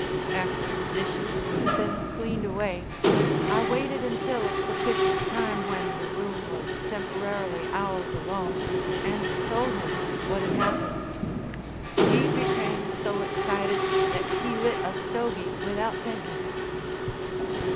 After the dishes had been cleaned away, I waited until a propitious time when the room was temporarily ours alone, and told him what had happened. He became so excited that he lit a stogy without thinking.